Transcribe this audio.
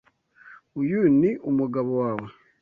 Uyu ni umugabo wawe?